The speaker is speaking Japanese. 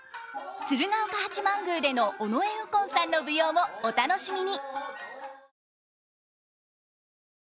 鶴岡八幡宮での尾上右近さんの舞踊をお楽しみに。